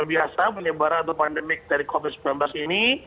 luar biasa penyebaran atau pandemik dari covid sembilan belas ini